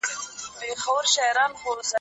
دا هغه کار دی چي ډېر پام غواړي.